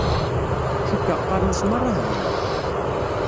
Cukkeɣ qqaren-as merra hebleɣ.